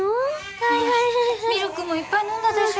はいはいはいはいミルクもいっぱい飲んだでしょ？